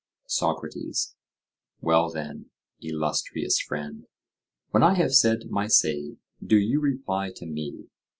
SOCRATES: Well then, illustrious friend, when I have said my say, do you reply to me.